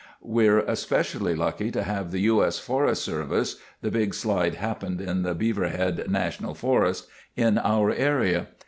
"We're especially lucky to have the U. S. Forest Service (the big slide happened in the Beaverhead National Forest) in our area.